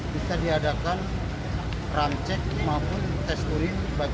kita tidak tindak